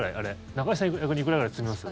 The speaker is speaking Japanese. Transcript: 中居さん逆にいくらぐらい包みます？